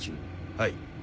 はい。